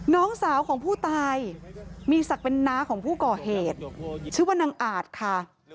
น้องสาวของผู้ตายมีศักดิ์เป็นน้าของผู้ก่อเหตุชื่อว่านางอาจค่ะ